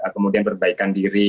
kemudian perbaikan diri